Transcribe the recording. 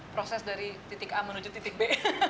proses dari titik a menuju titik b